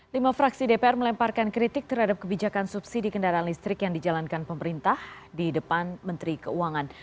lima fraksi dpr melemparkan kritik terhadap kebijakan subsidi kendaraan listrik yang dijalankan pemerintah di depan menteri keuangan